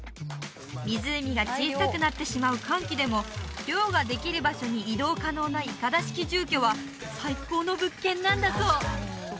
湖が小さくなってしまう乾季でも漁ができる場所に移動可能ないかだ式住居は最高の物件なんだそう